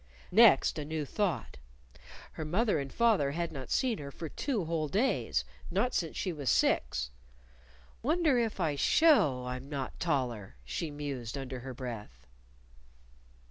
Next, a new thought! Her father and mother had not seen her for two whole days not since she was six. "Wonder if I show I'm not taller," she mused under her breath.